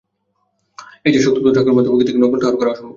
এই যে, শোকস্তব্ধ ঠাকুরমা, তোমাকে দেখে নকল ঠাহর কর অসম্ভব।